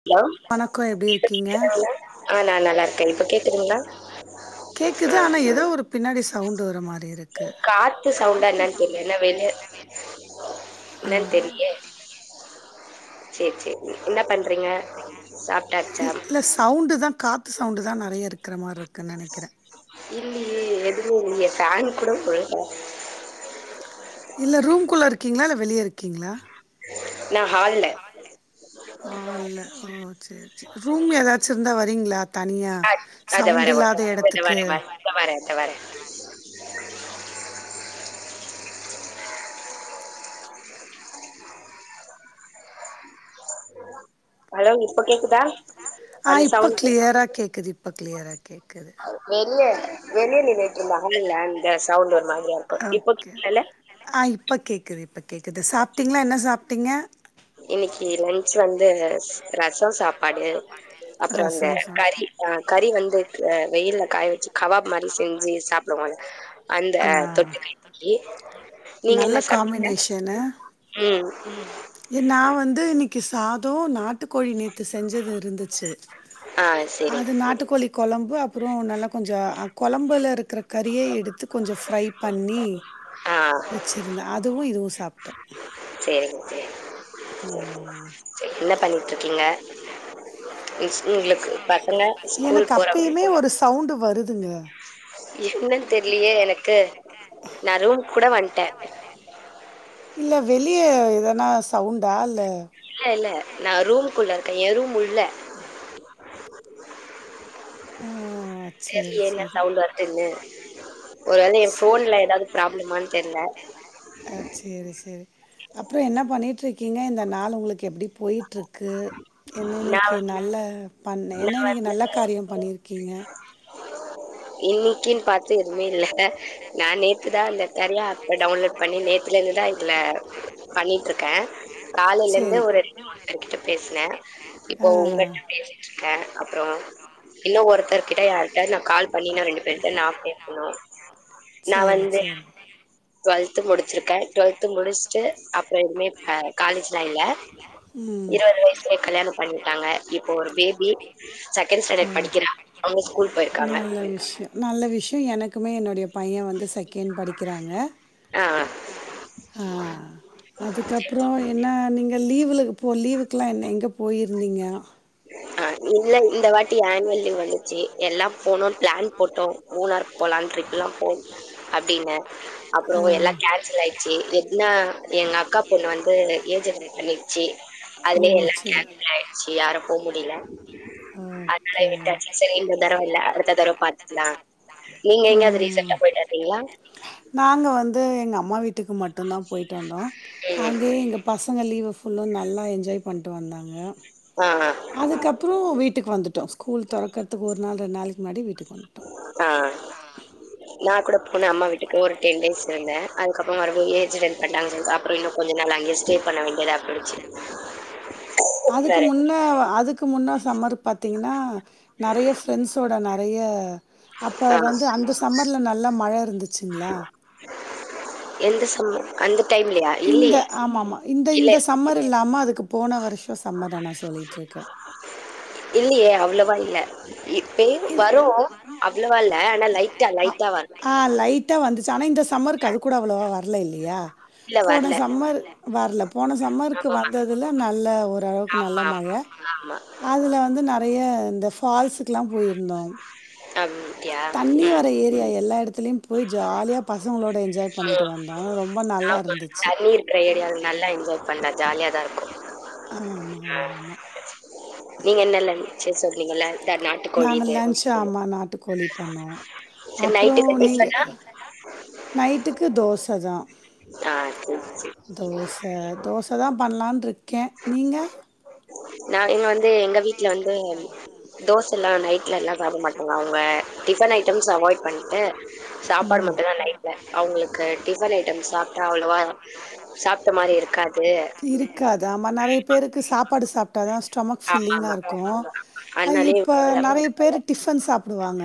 Hello வணக்கோ எப்டி இருக்கீங்க ஆ ந நல்லா இருக்கே இப்ப கேக்குதுங்களா ஆ கேக்குது ஆனா ஏதோ ஒரு பின்னாடி சவுண்டு வர மாரி இருக்கு காத்து சவுண்டா என்னன்னு தெரியல ஏன்னா வெளிய சேர் சேரி என்ன பண்றீங்க சாப்ட்டாச்சா இல்ல சவுண்டு தா காத் த்து சவுண்டு தா நிறைய இருக்கிற மாதிரி இருக்குன்னுநெனைக்கிறே இங்க ஃபேன் கூட போடுல இல்ல ரூம்குள்ள இருக்கீங்களா இல்ல வெளியே இருக் இருக்கிங்கலா நா ஹால்ல ஹால்ல ஓ செரி செரி ரூம் ஏதாச்சு இருந்தா வரீங்களா தனியா ஆ அத வரே சவுண்டு இல்லாத இத இடத்துக்கு வரே வரே இத வரே இத வரே ஹலோ இப்ப கேக்குதா ஆ அந்த இப்ப சவுண்ட் கிளியரா கேக்குது இப்ப கிளியரா கேக்குது வெளிய [unintelligible] ஒரு மாதிரியா இருக்கு இப்போ கேக்கல ஆ இப்ப கேக் கிருப்ப [unintelligible] கேக்குது சாப்பிட்டிங்களா என்னா சாப்ட்டி ட்டிங்க இன்னிக்கு லன்ச் வந்து ரசம் சாப் சாப்பாடு அப்புறம் அந்த ரசம் கறி ஆ கறி சாப் வந்து வெயில்ல காய வச்சு கபாப் மாதிரி செஞ்சு சாப்பிடுவோ அந்த ஆ தொட்டுக்கு இன்னைக்கு நீங்க என்ன சாப்டிங்க நான் வந்து இன்னிக் சாதோ நாட்டு கோழி நிக் இது செஞ்சது இருந்துச்சு ஆஹ் செரி அது நாட்டுக்கோழி கொழம்பு அப்புறோ நல்லா கொஞ்சோ கொழம்புல இருக்கிற கறியே எடுத்து கொஞ்ச ஃப்ரை பண்ணி ஆ வச்சிருந்தேன் அதுவும் இதுவும் சாப்பிட் சேரிங்க சேரிங் ம் [unintelligible] என்ன பண்ணிட் டுருக்கீங்க ஸ்கூலுக்கு பசங்க எனக்கு ஸ்கூல் போறாப்படியா அப்பயுமே ஒரு சவுண்டு வருதுங்க என்னன்னு தெரிலையே எனக்கு நான் ரூமுக் கூட வந் ட்டேன் இல்ல வெளியே எதுன்னா சவுண்டா இல்ல இல்ல இல்ல நான் ரூமுக்குள்ள இருக்கேன் என் ரூம் உள்ள ஆ சேரி தெரிலயே என்ன சவுண்டு வருதுன்னு ஒருவேள என் ஃபோன்ல ஏதாவது ப்ராப்ளமான்னு தெரில அஹ் செரி செரி அப்புறம் என்ன பண்ணிட்டு இருக் க்கீங்க இந்த நாள் உங்களுக்கு எப்பிடி போயிட்டுருக்கு ஏன்னா நா இன்னைக்கு நல்ல பண்ணே நா என்ன இன்னைக்கு நல்ல காரியம் பண்ணியிருக்கீங்க இன்னைக்கின்னு பாத்து எதுவுமே இல்ல நான் நேத்துதான் அந்த கரியா ஆப்ப டவுன்லோட் பண்ணி நேத்துல இருந்துதான் இதுல பண்ணிட்டு இருக்கேன் காலையில இருந்து சேரி ஒரு ரெண்டு மூணு பேர் கிட்ட பேசினேன் இப்போ ஆ உங்கட்ட பேசிட் ட்ருக்கேன் அப்புறோம் இன்னும் ஒருத்தரு கிட்ட யாரிட்டயாது நான் கால் பண்ணினா ரெண்டு பேரு நா பேசனும் நா சேரி வந்து சேரி டுவெல்து முடிச்சிருக்கேன் டுவெல்து முடிச்சுட்டு அப்புறம் எதுவுமே காலேஜ்லாம் இல்ல ம் இருவது வயசுலயே கல்யாணம் பண்ணிட்டாங்க இப்ப ஒரு பேபி செகண்ட் ஸ்டாண்டர்ட் படிக்கிறான் அவங்க ஸ்கூல் போயிருக்காங்க கும் எனக்குமே என்னுடைய பையன் வந்து செகெண்ட் படிக்கிறாங்க ஆஹ் ஆஹ் அதுக்கப்புறோ என்னன் நீங்க லீவுல இப்போ லீவுக்குல்லாம் என்ன எங்க போயிருந்தீங்க ஆஹ் இல்ல இந்த வாட்டி ஆனுவல் லீவ் வந்துச்சு எல்லா போனுன்னு பிளான் போட்டோம் மூனாறு போலான்ட்டு ட்ரிப்ல்லாம் [unintelligible] அப்பிடின்னு அப்புறோம் எல்லாம் கேன்சல் ஆயிடுச்சு எதுக்னா எங்க அக்கா பொண்ணு வந்து ஏஜட்டெண்ட் பண்ணிடுச்சு ஓ அதுலயே எல்லா சேரி கேன்சல் ஆயிருச்சு யாரும் போ முடியல அதனால ஓகே விட்டாச்சு சரி இந்த தரவ இல்ல அடுத்த தரவப் பாத்துக்கலாம் நீங்க எங்கேயாவது ம் ரீசன்ட்டா போயிட்டு வந்தீங்களா து எங்க அம்மா வீட் ட்டுக்கு மட்டுந்தா பொய்ட்டு வந்தோ ம் அங்கயே எங்க பஸ் சங்க லீவ ஃபுல்லு நல்லா என்ஜாய் பண்ட்டு வந்தாங்க ஆ அதுக்கப்பறொ வீட் டுக்கு வந்துட்டோ ஸ்கூல் தொறக்கற்த்துக்கு ஒரு நாள் ரெண் நாளைக்கி முன்னடி வீட்டுக் ஆ நா கூட போண அம்மா வீட்டுக்கு ஒரு டென் டேஸ் இருந்தே அதுக்கப்றொ மறுடியு ஏஜ் அட்டன் பண்ணாங்க சொல் அப்பறொ இன்னு கொஞ்ச நாள் அங்கியே ஸ்டே பண்ண வேண்டியதா போய்டுச்சி அதுக்கு முன்னா அதுக்கு முன்னா சம்மரு பாத் தீங்கன்னா நறைய ஃப்ரெண்ஸோட ந றைய அப்ப ஆ வந்து அந்த சம்மர்ல நல்லா மழ இருந்துச்சிங்ளா எந்த சம்மர் அந்த டைம்லயா இந்த இல்லையே ஆமாமா இந்த இந்த சம்மர் இல்லாம அதுக்கு போன வருஷ் இல்லியே அவ்ளவா இ ல்ல இப்பயு வரும் அவ்ளவா இல்ல ஆனா லைட்டா அ லைட்டா வரு ஆ லைட்டா வந்துச்சு. ஆனா இந்த சும்மர்கு அதுகூட அவ்வலவா வ ரல இல்லையா இல்ல போன வரல சம்மர் வரல போன சம்மருக்கு ஆமா ஆமா வந்ததுல நல்ல ஓர் அந்த அளவுக்கு நல்ல ஆமா மழ ஆமா அதுல வந்து நிறைய இந்த ஃபால்ஸ்க்குலா இந்தோ அப்டியா தண்ணி ம் வர ஏரியா எல்லா இடத்துலயு போய் ஜாலியா பசங்களோட என்ஜாய் பண்ணிட்டு ஆமா வந்தோ ரொம்ப நல்லா இருந்துச்சு தண்ணி தருக்கு ஆ ஆமா ஆமா ஆமா ஆ நீங்க என்னல்லஞ்ச் சொன்னீங்ல இந்த நாட்டுக்கோழி நாங்க இது லன்ச் ஆமா நாட்டுக்கோழி பண்ணோ சரி அப்புறோ நைட்டுக்கு நீங்க டிஃபனா நைட்டுக்கு தோச தா ஆ தோச தோசதா பன்லான்டு இரு கே நீங்க நா இங்க வந்து எங்க வீட்ல வந்து தோச எல்லாம் நைட்ல எல்லாம் சாப்பட மாட்டோ அவங்க டிபன் ஐட்டம்ஸ் அவாய்ட் பண்ணிட்டு சாப்பாடு ம் மட்டும் தான் நைட்ல அவங்களுக்கு டிபன் ஐட்டம் சாப்பிட்டா அவ்ளவா சாப்பிட்ட மாரி இருக்காது நெறய பேருக்கு சாப்பாடு சாப் [unintelligible] ஸ்டொமக் ஆமா ஃபில்லிங்கா ஆமா இருக்கும் அதனாலயே இப்ப விடல நெறய பேர் டிஃப டிபன் சாப்பிடுவாங்க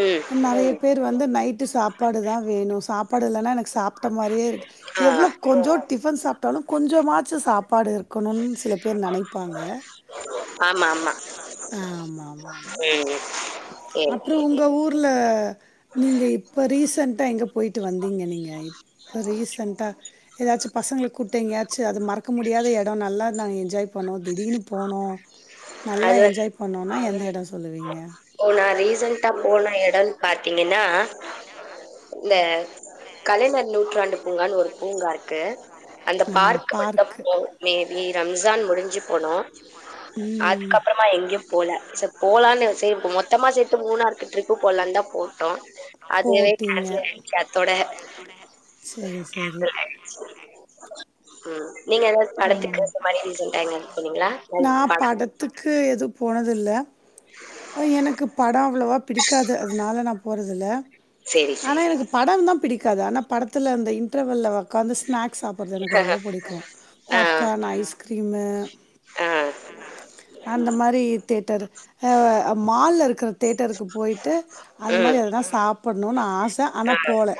ம் நெறய பேர் வந்து நை ட்டு சாப்பாடு தான் வேணும் சாப்பாடு இல்லைன்னா எனக்கு சாப்பிட்ட மாரியே இருக்கு ஆ எவ்ளோ கொஞ்சம் டிபன் சாப்ட்டாலும் கொஞ்சமாச்சு சாப்பாடு இருக்கணும் சில பேர் நெனப்பாங்க ஆமா ஆமா ஆமா ம் சேரி சேரி அப்புறம் உங்க ஊர் நீங்க இப்ப ரீசண்டா எங்க போயிட்டு வந்தீங்க நீங்க இப்ப ரீசன்டா ஏதாச்சும் பசங்கள கூட்டு எங்கயாச்சும் மறக்க முடியாத இடம் நல்ல நாங்க என்ஜாய் போணோம் திடீர்னு போனோம் நல்லா அது என்ஜாய் பண்ணோம்னா எந்த இடம் சொல்லுவீங்க ஓ நான் ரீசன்டா போன இடம்ன்னு பாத்தீங்கன்னா இந்த கலைஞர் நூற்றாண்டு பூங்கான்னு ஒரு பூங்கா இருக்கு அந்த ஆ பார்க் மட்டும்தான் பார்க்கு போனோம் மேபி ரம்ஜான் முடிஞ்சு போனோம் ம் அதுக்கப்பறமா எங்கயும் போல சோ போலான்னு செய் மொத்தமா சேத்து மூணாருக்கு ட்ரிப்பு போலாம்னுந்தான் போட்டோம் அதுவே போட்டீங்க கேன்சல் ஆயிடுச்சு அத்தோட செரி செரி கேன்சல் ஆயிடுச்சு உம் நீங்க ஏதாவது படத்துக்கு இந்த மாரி ரீசன்டா எங்கயாவது போனீங்களா நா படத்துக்கு எதுவு போனதில்ல எனக்கு படம் அவ்வளவா பிடிக்காது அதனால நான் போறது இல்ல சேரி ஆனா சேரி எனக்கு படம் தான் பிடிக்கும் க்காது ஆனா படத்துல அந்த இன்டர்வெல்ல உக்காந்து ஸ்நாக்ஸ் சாப்பிடறது எனக்கு ரொம்ப பிடிக்கும் பாப்கார்ன் ஐஸ்கிரீமு ஆஹ் அந்த மாரி தேட்டரு மால்ல இருக்கற தேட்டருக்கு போய் ட்டு அந்த மாரி ம் எதனா சாப் பண்னுன் ஆச ஆனா ஆ போல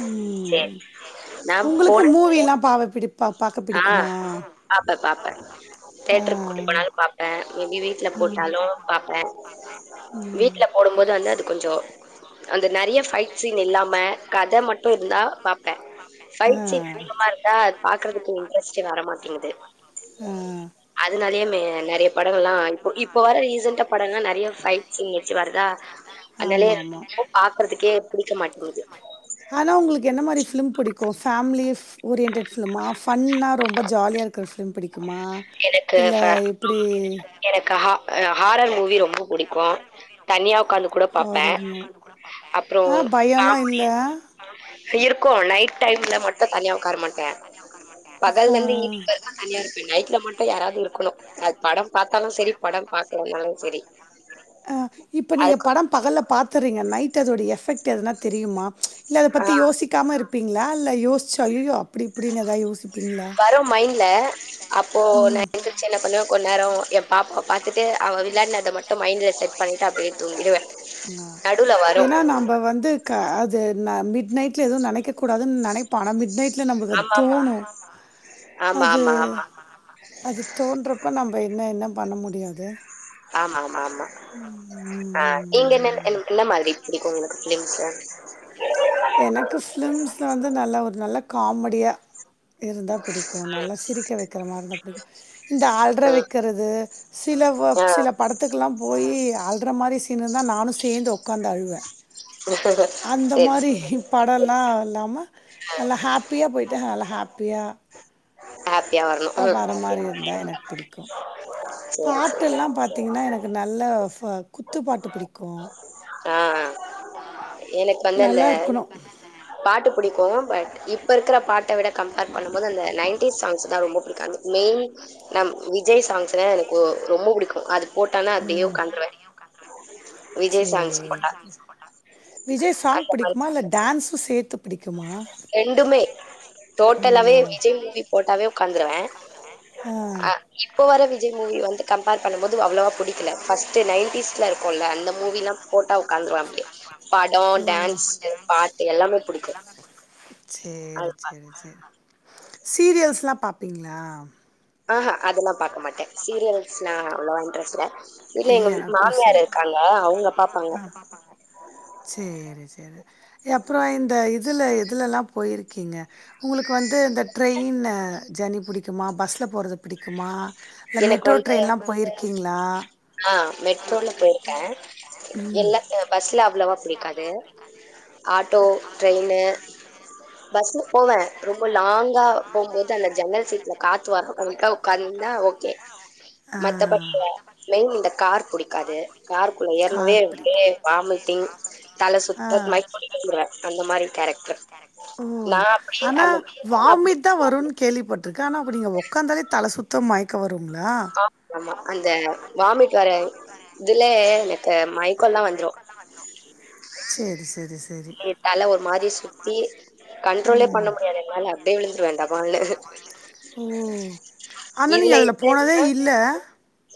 உம் சேரி நா உங்களுக்கு போன மூவி எல்லாம் பாவப்பிடிப்பு ஆ பாப்பே பாப்பே தேட்ருக்கு கூட்டு போனாலு பாப்பே மேபி வீட்ல போட்டாலு பாப்பே ம் வீட்ல போடும்போது வந்து அது கொஞ்சோ அந்த நெறைய ஃபைட் சீன் இல்லாம கத மட் டு இருந்தா பாப்பே ஃபைட் சீன் ஆ அதிகமா இருந்தா அது பாக்குறதுக்கு [unintelligible] வரமாட்டேங்குது அதுனாலயே ரீசெண்டா படங்கள்லா நெறைய ஃபைட் சீன் வச்சு வருதா அதனாலே ஆமாமா பாக்குறதுக்கே புடிக்க மாட்டேங்குது ஆனா உங்களுக்கு என்ன மாரி ஃபிலிம் பிடிக்கு ஃபேமிலி ஓரியன்ட்டட் ஃபிலிமா ஃபன்னா ரொம்ப ஜாலியா இருக்க ஃபிலிம் பிடிக் குமா எனக்கு இல்ல ஃப எப்டி எனக்கு ஹா ஹா ஹாரர் மூவி ரொம்ப புடிக்கும் மூவி தனியா பிடிக்கு, உக்காந்து கூட பாப்பே ஹாரர் மூவி அப்புறோ ஆ பயல்லா காமடி இல்ல இருக்கு நைட் டைம்ல மட்டு தனியா உக்கார மாட்டே பகல்லருந்து ஆ ஈவ்னிங் வரைக்கும் தனியா இருப்பே நைட்ல மட்டும் யாராவது இருக்கணும் அது படம் பாத் தாலும் சரி படம் பாக்கலனாலும் சரி அது துரீங்க நைட் அதோட எஃபெக்ட் எதுனா தெரியுமா ச் இல்ல அத ஆ பத்தி யோசிக்காம இருப் பீங்களா இல்ல யோசுச்சு ஐயயோ வரும் மைண்ட்ல அப்போ நா ம். எந்துச்சு என்ன பண்ணுவே கொஞ்சநேரம் பாப்பாவ பாத்துட்டு அவ விளயான்னத மட்டு மைண்ட்ல செட் பண்ணிட்டு அ அப்டியே தூங்கிடுவே ஆ நடுவுல வரு ஏன்னா நம்ப வந்து க அது மிட் நைட்ல எதுவும் நினைக்கக் கூடாது நினைப்போ ஆனா மிட் நைட் ல நமக்கு அது ஆமா தோணும் ஆமா ஆமா அது ஆமா ஆமா அது தோன்றப்ப நம்ப என்ன என்ன பண்ண முடியாது ஆமா ஆமா ஆமா ஆஹ் நீங்க என்ன ம். என்ன மாரி புடிக்கும் உங்களுக்கு ஃபிலிம்ஸு எனக்கு ஃபிலிம்ஸ்ல வந்து நல்ல ஒரு நல்ல காமெடியா இருந்தா பிடிக்கும் நல்லா சிரிக்க வைக்கிற மாரி இருந்தா பிடிக்கும் இந்த அழ்ற ம் வைக்கிறது சில வ ஆ சில படத்துக்கு லா போயி அழ்ற மாரி சீனு இருந்த நானு சேந்து உக்காந்து அழுவே [unintelligible] படம்லா இல்லாம நல்லா ஹாப்பியா போயிட்டு ஹா நல்லா ஹாப் ப்பியா ஹாப்பியா வரணு சேரி பாட்டு சேரி எல்லாம் பாத்தீங்க என்ன நல்ல குத்து பாட்டு பிடிக்கு ஆ எனக்கு நல்லா இருக்கணு கும் பட் இப்ப இருக்கிற பாட் விட கம்பேர் பண்ணும் போது அந்த நையண்டிஸ் சாங்ஸ் தா ரொம்ப புடிக்கும் மெயின் விஜய் சாங்ஸ்னா எனக்கு ரொம்ப பிடிக்கும் அது போட்டான அதையே சாங்ஸ் செரி போட்டா விஜய் சாங்ஸ் அந்த பிடிக்குமா இல்ல மாதிரி டான்ஸும் சேத்து பிடிக்குமா ரெண்டுமே டோட்டலாவே ஆ விஜய் மூவி போட்டாவே உக்காந்துருவே ஆ அ இப்ப வர விஜய் மூவி வந்து கம் ம்பர் பண்னும் போது அவ்வளவா புடிக்கல ஃபர்ஸ்ட் நைன்டிஸ்ல இருக்கும்ல அந்த மூவிலா போட்டா உக்காந்துருவ அப்டியே படம் டான்ஸ் பாட்டு எல்லாமே புடிக்கும் செரி செரி செரி சீரியல்ஸ் லாம் பாப்பீங்களா ஆஹா அதெல்லா பாக்க மாட்ட சீரியல்ஸ்லாம் அவ்ளவா இன்ட்ரெஸ்ட் இல்ல எங்க எனக்கு மாமியார் சேரி இருக்காங்க அவங்க பாப்பாங்க ஆ அப்பறம் இந்த இதில் எதுலலாம் போயிருக்கீங்க உங்களுக்கு வந்து இந்த ட்ரெயின் ஜர்னி பிடிக்குமா பஸ்ஸில போறது புடிக்குமா கும்மா எனக்கு வந்து ஆ மெட்ரோல போயிருக்க ம் எல்லா பஸ்ல அவ்வளவா புடிக்காது ஆட்டோ ட்ரெயினு பஸ் போவ ரொம்ப லாங்கா போம்போது அந்த ஜன்னல் சீட்ல காத்து வரும் அதுக்காக உகார்ந்திருந்தா ஆ மத்தபடி [inaudible] கார் புடிக்காது காருக்குள்ள ஏறுனாவே கார் அப்டியே பிடிக்கு வாமிட்டிங் தலை ஆ சுத்தல் மைக்க போட்டு விழுந்துருவேன் அந்த மாதிரி கேரக்டர் ஓ நான் அப்படி அந்த அப்ப கேள்விப்பட்ரு கன் அப்ப நீங்க உக்காந்தாலே தல சுத் து மயக்க வ ஆ ஆமா அந்த வாமிட் வர இதுல எனக்கு மைக்கோல்லா வந்துரு செரி செரி செரி எ தல ஒரு மாரி சுத் ஏ கண்ட்ரோலே பண்ண முடியாது என்னால அப்டியே விலுந்துருவ டாபால்ணு ஓ ஆனா நீங்க அதுல போனதே இல்ல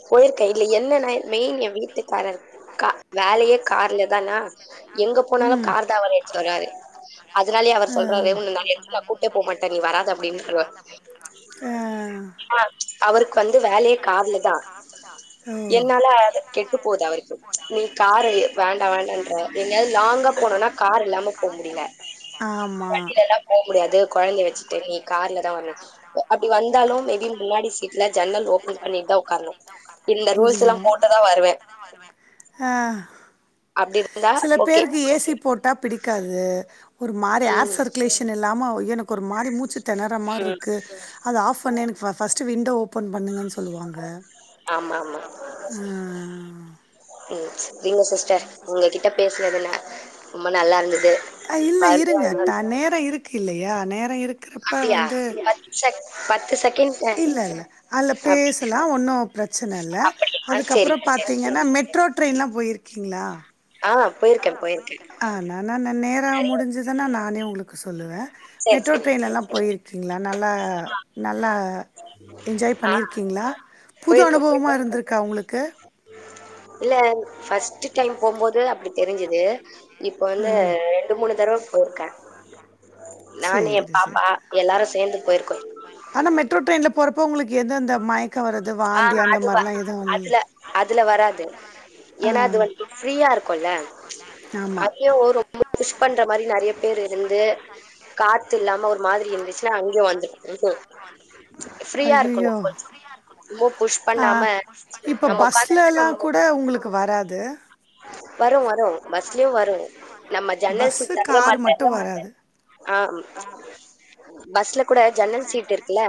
போயிருக்க இதுல என்னன்ன மெய்ன் ஏ வீட் த்துக்காரர் கா வேலயே கார்ல தானா எங்க போனாலு ம் கார் தா அவர் எடுத்துட்டு வருவாரு அதனாலயே அவர் ஆ சொல்றாரு உன்ன நா எதுக்குமே நா கூட்டே போமாட்ட நீ வராது அப்டின் சொல்லுவாரு சொல்றாரு ஆ ஆஹ் அவருக்கு வந்து வேலயே கார்லதா ஓ என்னால அத கெட்டு போதா அவருக்கு நீ காரே வேண்டா வேண்டான்ற எங்கயாது லாங் போனுன்னா கார் இல்லாம போ முடில வண்டில ஆமா எல்லா போ முடியாது கொழந்த வச்சிட்டு நீ கார்ல தா வர்னோ அப்டி வந்தாலு மேபி முன்னாடி சீட்ல ஜன்னல் ஓப்பன் பண்ணி தா ஒக்காரணு இந்த ரூல்ஸ் லா புரியும் போட்டுதா வருவே அப்டி இருந்தா ஓ பேருகு ஏசி போட்டாப் பிடிக்காது ஒரு மாரி ஹேர் ம் சர்குலேஷன் இல்லாம ஓய் எனக்கு ஒரு மாரி மூச்சித் தெனரா ம் மார்ருக்கு அது ஆஃப் ஃபண்ணு எனக்கு பஸ்ட் சி விண்டோ ஓப் ப்பன் பண்ணுங்கனு சொல்லுவாங்க ஆமா ஆமா அஹ் ம் இல்ல சிஸ்டர் உங்ககிட்ட பேசுனதுல ரொம்ப நல்லா இருந்து அஹ் இல்ல இருங்க ட நேரோ இருக்கு இல்ல யா நேர இருக்கு க்ருப்ப அப்டியா வந்து பத்து செக் பத்து செகண்ட் இல்லல்ல அல்ல அப்டி பேசுலா ஒன்னு பிரச்சன இல்ல அப்டியா அதுக்கப்புறோ சரிங்க சரி பாத்தீங்கன்னா மெட்ரோ டிரைன்லா உயிர் க்கீங்களா ஆ போயிருக்கேன், போயிருக்கேன். ஆஹ் நா நா நா நேரோ நெறைய முடிஞ்சிதுனா நானே உங்களுக் கு சொல்லுவ சரி, மெட்ரோ சரி. ட்ரெயின்ல லா போயிருக்கீங்களா நல்லா நல்லா என்ஜாய் ஆ பண்ணிருக்கீங்களா புது போயிருக்கேன், போயிருக்கேன். அனுபவமா இருந்திருக்கா உங்களுக்கு இல்ல ஃபஸ்ட்டு டைம் போம்போது அப்டி தெரிஞ்சது இப்போ வந்து ஆ ரெண்டு மூணு தடவ போர்க்க சேரி சேரி சேர்ந்து போயிருக்கோம். ஆனா மெட்ரோ ட்ரெயின்ல போறப்போ உங்களுக்கு ஏதும் அந்த மயக் அஹ் அதுவ அதுல அதுல வராது ஆ ஏன்னா அது மாதிரிலாம் வந்து ஃப்ரீயா இருக்குல்ல எதுவும் ஆமா அதுலயும் ஒரு ரொம்ப புஷ் பண்ற மாதிரி நிறையா பேரு இருந்து காத்திரு இல்லாம ஒரு மாதிரி இருந்துச்சுன்னா அங்கயும் வந்துரு ஃப்ரீயா இருக்கும் கொஞ்சம் ரொம்ப புஷ் பண்ணாம அஹ் இப்ப நம்ம பஸ்ல உட்காந்துட்டு நம்ம எல்லாம் கூட உங்களுக்கு க்கு வராது வரும் வரும் பஸ்லியும் வரும் நம்ம பஸ்ஸு ஜன்னல் பஸ்ல ஷீட் தந்த கார் மார்ட்டே மட்டு வராது அஹ் பஸ்ல கூட ஜன்னல் சீட் இருக்குல்ல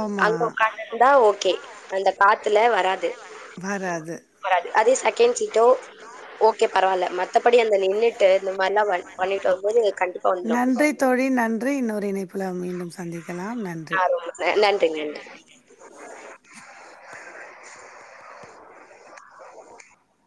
ஆமா அங்க உக்காந்து இருந்தா ஓகே அந்த காத்துல வராது வராது வராது அதே செகேண்ட் சீட்டோ ஓகே பரவால்லை மத்தபடி அந்த நின்னுட்டு இந்த மாதிரிலாம் வந் பண்ணிட்டு வரும் போது நன்றி தோழி நன்றி இன்னொரு இணைப்புல வந்து இ டும் சந்திக்க அஹ் ரொம்ப நன்றி நன்றி